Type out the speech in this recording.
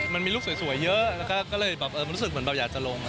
มันมีรูปสวยเยอะแล้วก็เลยแบบรู้สึกเหมือนแบบอยากจะลง